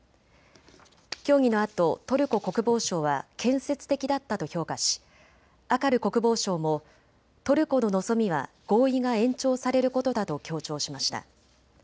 協議のあとトルコ国防省は建設的だったと評価しアカル国防相もトルコの望みは合意が延長されることだと強調しました。